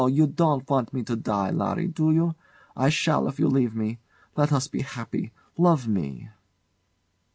You don't want me to die, Larry, do you? I shall if you leave me. Let us be happy! Love me!